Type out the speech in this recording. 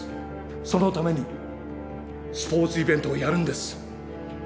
そのためにスポーツイベントをやるんです。